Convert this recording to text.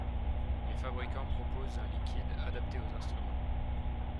Les fabricants proposent un liquide adapté aux instruments.